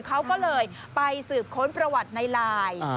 เขาก็เลยไปสืบค้นประวัติในไลน์